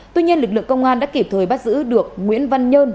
tuy nhiên lực lượng công an đã kịp thời bắt giữ được nguyễn văn nhơn